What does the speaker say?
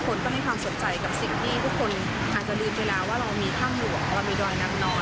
คนต้องให้ความสนใจที่คุณที่ลืมไปแล้วความเรื่อยมากที่เราไปถึง